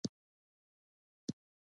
کرز سیمې ته ورسېدو.